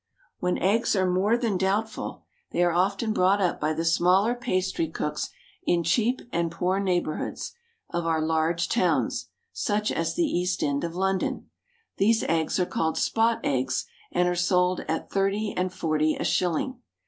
When eggs are more than doubtful, they are often bought up by the smaller pastry cooks in cheap and poor neighbourhoods of our large towns, such as the East End of London. These eggs are called "spot eggs," and are sold at thirty and forty a shilling.